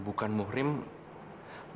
bukan muhrim maka